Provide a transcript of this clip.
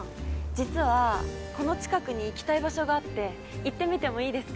実はこの近くに行きたい場所があって行ってみてもいいですか？